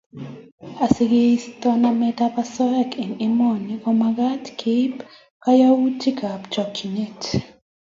Asikeisto nametab osoyaini eng emoni komagat keib kakwautietab chokchinet